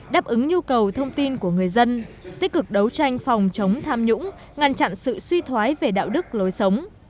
đáp ứng nhu cầu thông tin của người dân tích cực đấu tranh phòng chống tham nhũng ngăn chặn sự suy thoái về đạo đức lối sống